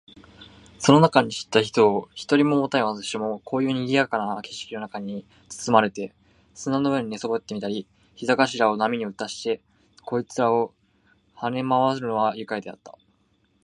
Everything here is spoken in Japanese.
その中に知った人を一人ももたない私も、こういう賑（にぎ）やかな景色の中に裹（つつ）まれて、砂の上に寝そべってみたり、膝頭（ひざがしら）を波に打たしてそこいらを跳（は）ね廻（まわ）るのは愉快であった。